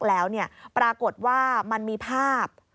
แล้วปรากฏว่ามันมีภาพ